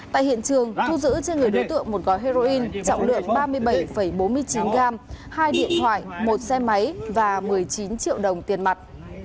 tại hiện trường thu giữ trên người đối tượng một gói heroin trọng lượng ba mươi bảy bốn mươi chín gram hai điện thoại một xe máy và một mươi chín triệu đồng tiền mặt